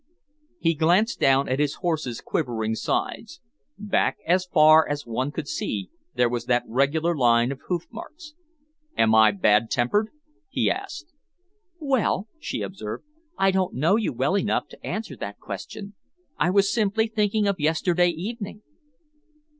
He glanced down at his horse's quivering sides. Back as far as one could see there was that regular line of hoof marks. "Am I bad tempered?" he asked. "Well," she observed, "I don't know you well enough to answer that question. I was simply thinking of yesterday evening."